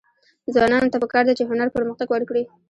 ځوانانو ته پکار ده چې، هنر پرمختګ ورکړي.